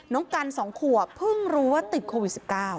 น้องกัน๒ขวบเพิ่งรู้ว่าติดโควิด๑๙